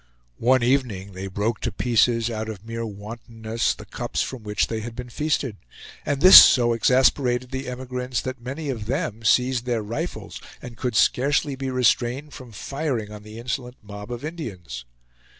One evening they broke to pieces, out of mere wantonness, the cups from which they had been feasted; and this so exasperated the emigrants that many of them seized their rifles and could scarcely be restrained from firing on the insolent mob of Indians.